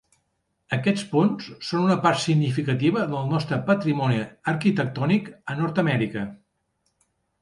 Aquests ponts són una part significativa del nostre patrimoni arquitectònic a Nord-amèrica.